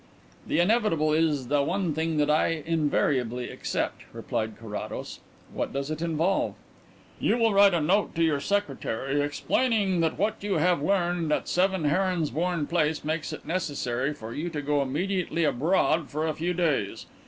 "The inevitable is the one thing that I invariably accept," replied Carrados. "What does it involve?" "You will write a note to your secretary explaining that what you have learned at 7 Heronsbourne Place makes it necessary for you to go immediately abroad for a few days.